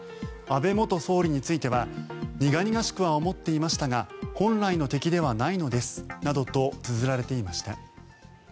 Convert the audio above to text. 安倍元総理については苦々しくは思っていましたが本来の敵ではないのですなどとつづられていました。